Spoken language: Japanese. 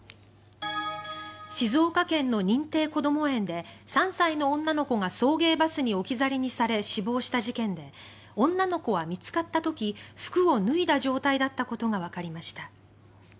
静岡県の認定こども園で３歳の女の子が送迎バスに置き去りにされ死亡した事件で女の子は見つかった時服を脱いだ状態だったことがわかりました。